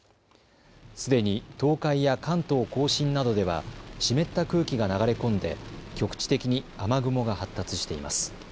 すでに東海や関東甲信などでは湿った空気が流れ込んで局地的に雨雲が発達しています。